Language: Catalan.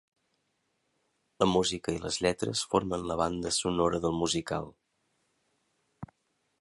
La música i les lletres formen la banda sonora del musical.